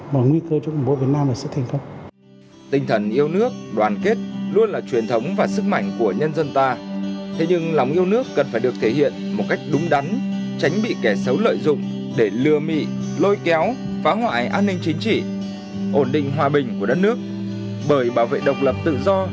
và nguy cơ chống khủng bố việt nam là sự thành công